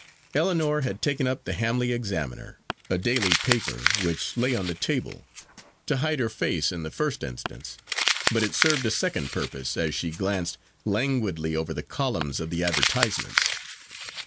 Ellinor had taken up the Hamley Examiner, a daily paper, which lay on the table, to hide her face in the first instance; but it served a second purpose, as she glanced languidly over the columns of the advertisements.